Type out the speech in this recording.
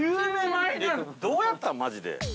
◆どうやったん、マジで。